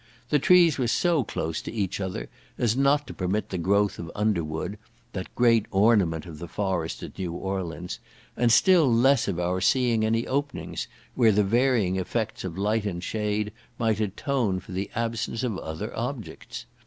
The trees were so close to each other as not to permit the growth of underwood, the great ornament of the forest at New Orleans, and still less of our seeing any openings, where the varying effects of light and shade might atone for the absence of other objects.